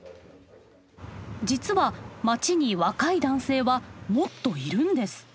実は町に若い男性はもっといるんです。